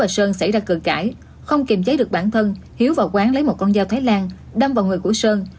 sơn xảy ra cờ cãi không kìm cháy được bản thân hiếu vào quán lấy một con dao thái lan đâm vào người của sơn